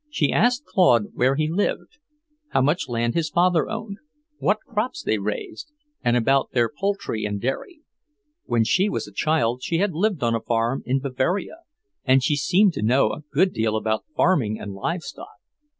She asked Claude where he lived, how much land his father owned, what crops they raised, and about their poultry and dairy. When she was a child she had lived on a farm in Bavaria, and she seemed to know a good deal about farming and live stock.